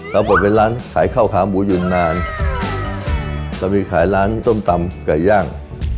แล้วก็เป็นร้านขายข้าวขาวหมูยืนนานแล้วมีขายร้านต้มตำก๋วย่าง